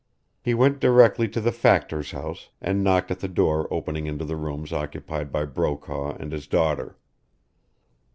He went directly to the factor's house, and knocked at the door opening into the rooms occupied by Brokaw and his daughter.